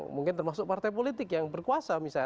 mungkin termasuk partai politik yang berkuasa misalnya